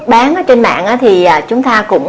bán trên mạng thì chúng ta cũng